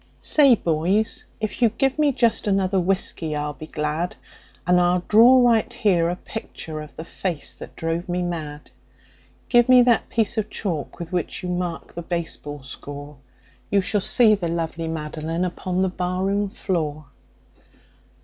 "Say, boys, if you give me just another whiskey I'll be glad, And I'll draw right here a picture of the face that drove me mad. Give me that piece of chalk with which you mark the baseball score You shall see the lovely Madeline upon the barroon floor."